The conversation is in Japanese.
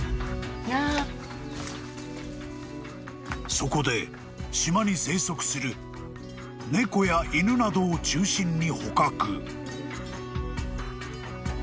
［そこで島に生息する猫や犬などを中心に捕獲］